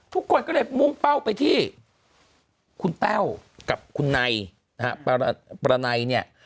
ทุกคนก็เลยมุ่งเป้าไปที่คุณแต้วกับคุณไนนะฮะประไนเนี่ย